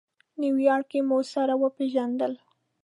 نیویارک کې مو سره وپېژندل.